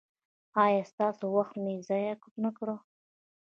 ایا ستاسو وخت مې ضایع نکړ؟